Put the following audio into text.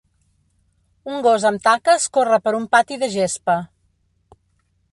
Un gos amb taques corre per un pati de gespa